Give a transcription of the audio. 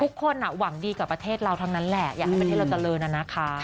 ทุกคนหวังดีกับประเทศเราทั้งนั้นแหละอยากให้ประเทศเราเจริญนะคะ